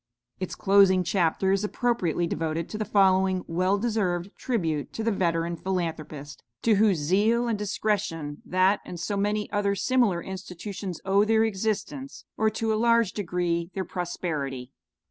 Its closing chapter is appropriately devoted to the following well deserved tribute to the veteran philanthropist, to whose zeal and discretion that and so many other similar institutions owe their existence, or to a large degree their prosperity.